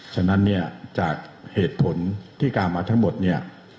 ฉะนั้นเนี่ยจากเหตุผลที่กล่าวมาทั้งหมดเนี่ย